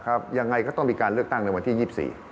ผมเชื่อว่าอย่างไรก็ต้องมีการเลือกตั้งในวันที่๒๔